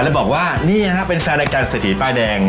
แล้วบอกว่านี่คะเป็นแฟนอาการสถีป้ายแดง